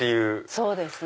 そうですね。